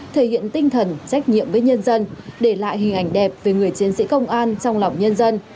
thể hiện tinh thần trách nhiệm với nhân dân để lại hình ảnh đẹp về người chiến sĩ công an trong lòng nhân dân